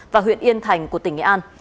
và huyện yên thành của tỉnh nghệ an